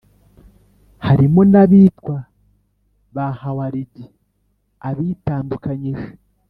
harimo n’abitwa ba khawārij (abitandukanyije)